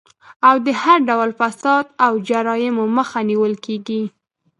او د هر ډول فساد او جرايمو مخه نيول کيږي